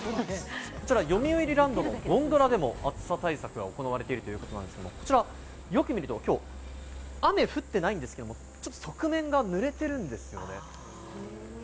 よみうりランドのゴンドラでも暑さ対策が行われているということなんですが、こちらよく見るときょう、雨降ってないんですけれども、側面が濡れてるんですよね。